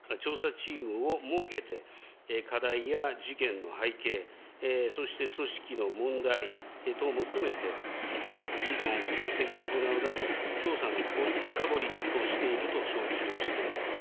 現在、東京都では、副知事をトップとした調査チームを設けて、課題や事件の背景、そして組織の問題等も含めて、議論、分析を行うなど、調査の深掘りをしていると承知をしております。